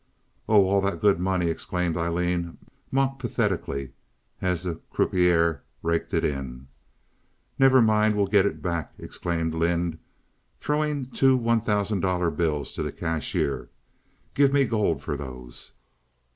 "Oh, all that good money!" exclaimed Aileen, mock pathetically, as the croupier raked it in. "Never mind, we'll get it back," exclaimed Lynde, throwing two one thousand dollar bills to the cashier. "Give me gold for those."